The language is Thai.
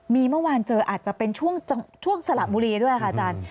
มีเมื่อวานเจออาจจะเป็นช่วงสละบุรีด้วยค่ะอาจารย์